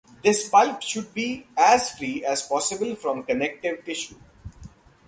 This pulp should be as free as possible from connective tissue.